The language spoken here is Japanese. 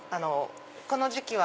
この時期は。